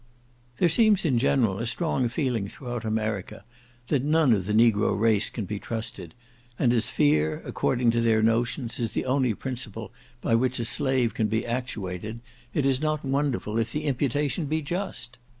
There seems in general a strong feeling throughout America, that none of the negro race can be trusted, and as fear, according to their notions, is the only principle by which a slave can be actuated, it is not wonderful if the imputation be just.